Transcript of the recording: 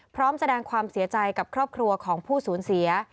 พร้อมแสดงความเสียใจกับครอบครัวของผู้สูญเสีย